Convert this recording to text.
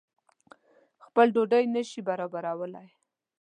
خپل ډوډۍ نه شي برابرولای.